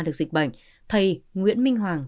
được dịch bệnh thầy nguyễn minh hoàng